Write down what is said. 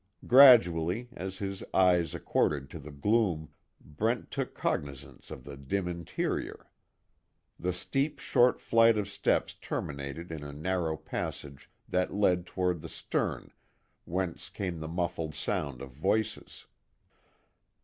Gradually, as his eyes accorded to the gloom, Brent took cognizance of the dim interior. The steep short flight of steps terminated in a narrow passage that led toward the stern whence came the muffled sound of voices.